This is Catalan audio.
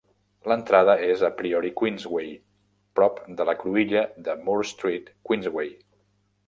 L'entrada és a Priory Queensway, prop de la cruïlla amb Moor Street Queensway.